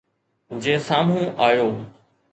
جي سامهون آيو